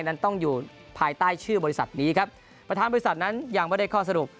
นั้นต้องอยู่ภายใต้ชื่อบริษัทนี้ครับประธานบริษัทนั้นยังไม่ได้ข้อสรุป